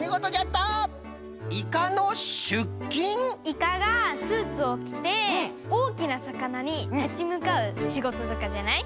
イカがスーツをきておおきなさかなにたちむかうしごととかじゃない？